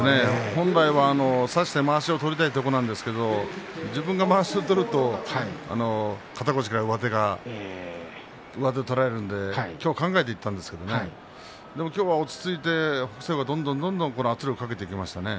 本来、差してまわしを取りたいところなんですが自分はまわしを取ってしまうと肩越しから上手を取られてしまうので考えていたんですけど今日は落ち着いてどんどん、どんどん北青鵬は圧力をかけていきましたね。